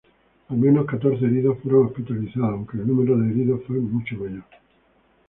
Al menos catorce heridos fueron hospitalizados aunque el número de heridos fue mucho mayor.